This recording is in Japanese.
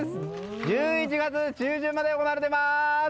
１１月中旬まで行われています！